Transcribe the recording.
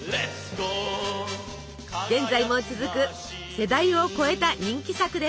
現在も続く世代を超えた人気作です。